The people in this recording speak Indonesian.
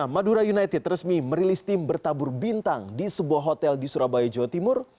madura united resmi merilis tim bertabur bintang di sebuah hotel di surabaya jawa timur